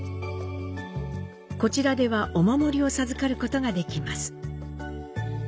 こちらではお守りを授かることができます。